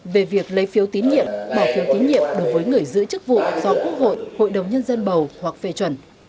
về việc lấy phiếu tín nhiệm bỏ phiếu tín nhiệm đối với người giữ chức vụ do quốc hội hội đồng nhân dân bầu hoặc phê chuẩn